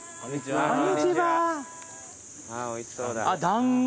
あぁおいしそうだ。